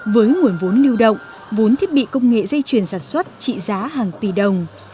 với nguồn vốn lưu động vốn thiết bị công nghệ dây chuyển sản xuất trị giá hàng tỷ đồng